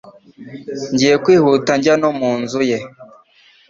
Ngiye kwihuta njya no mu nzu ye